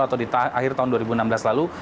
atau di akhir tahun dua ribu enam belas lalu